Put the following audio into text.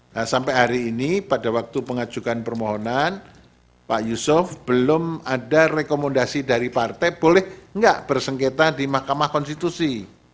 nah sampai hari ini pada waktu pengajuan permohonan pak yusuf belum ada rekomendasi dari partai boleh nggak bersengketa di mahkamah konstitusi